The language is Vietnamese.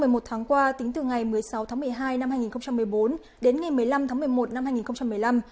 trong một tháng qua tính từ ngày một mươi sáu tháng một mươi hai năm hai nghìn một mươi bốn đến ngày một mươi năm tháng một mươi một năm hai nghìn một mươi năm